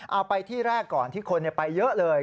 เอาไปที่แรกก่อนที่คนไปเยอะเลย